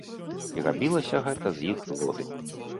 І рабілася гэта з іх згоды.